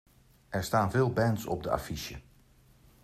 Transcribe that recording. Er staan veel bands op de affiche.